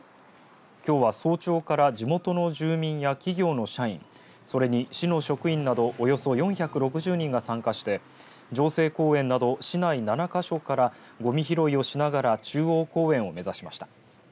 きょうは早朝から地元の住民や企業の社員、それに市の職員などおよそ４６０人が参加して城西公園など市内７か所からごみ拾いをしながら中央公園を目指しました。